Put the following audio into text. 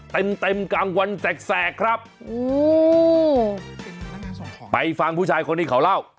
เต็มเต็มกลางวันแสกครับไปฟังผู้ชายคนนี้เขาเล่า